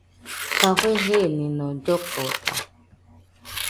Café jenino llokota